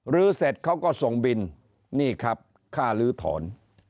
ลื้อเสร็จเขาก็ส่งบินนี่ครับค่าลื้อถอน